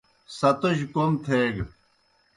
ستوجیْ کوْم تھیگہ۔